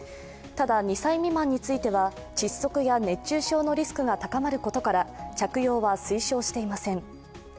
ただ、２歳未満については窒息や熱中症のリスクが高まることから着用は推奨していません。